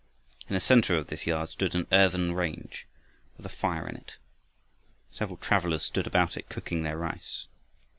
In the center of this yard stood an earthen range, with a fire in it. Several travelers stood about it cooking their rice.